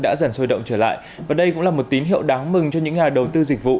đã dần sôi động trở lại và đây cũng là một tín hiệu đáng mừng cho những nhà đầu tư dịch vụ